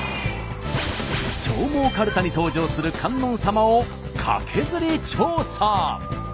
上毛かるたに登場する観音様をカケズリ調査！